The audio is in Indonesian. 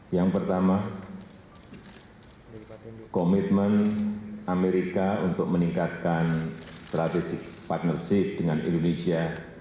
yang pertama komitmen amerika untuk meningkatkan strategic partnership dengan indonesia